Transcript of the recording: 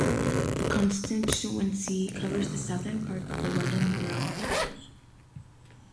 The constituency covers the southern part of the London Borough of Hackney.